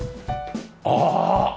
ああ！